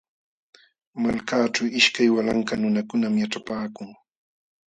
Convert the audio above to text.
Malkaaćhu ishkay walanka nunakunam yaćhapaakun.